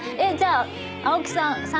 じゃあ青木さん